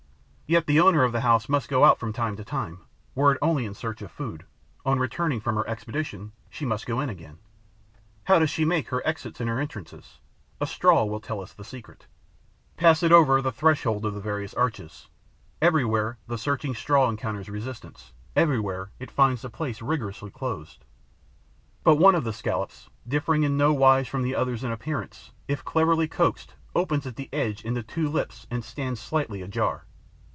Yet the owner of the house must go out from time to time, were it only in search of food; on returning from her expedition, she must go in again. How does she make her exits and her entrances? A straw will tell us the secret. Pass it over the threshold of the various arches. Everywhere, the searching straw encounters resistance; everywhere, it finds the place rigorously closed. But one of the scallops, differing in no wise from the others in appearance, if cleverly coaxed, opens at the edge into two lips and stands slightly ajar.